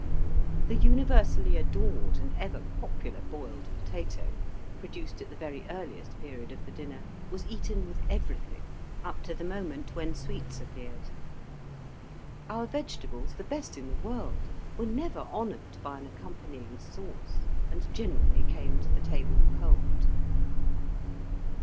The universally adored and ever popular boiled potato, produced at the very earliest period of the dinner, was eaten with everything, up to the moment when sweets appeared. Our vegetables, the best in the world, were never honoured by an accompanying sauce, and generally came to the table cold.